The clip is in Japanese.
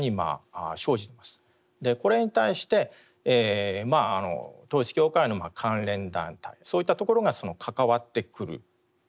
これに対して統一教会の関連団体そういったところが関わってくるんですね。